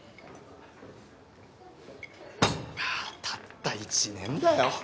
たった１年だよ